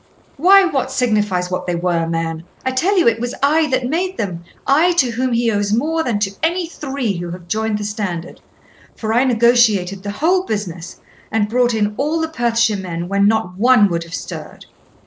'Why, what signifies what they were, man? I tell you it was I that made them I to whom he owes more than to any three who have joined the standard; for I negotiated the whole business, and brought in all the Perthshire men when not one would have stirred.